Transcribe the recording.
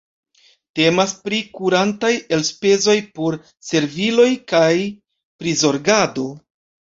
Temas pri kurantaj elspezoj por serviloj kaj prizorgado.